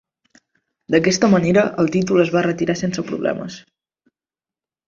D'aquesta manera, el títol es va retirar sense problemes.